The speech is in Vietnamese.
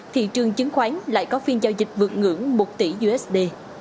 thị trường chứng khoán lại có phiên giao dịch vượt ngưỡng một tỷ usd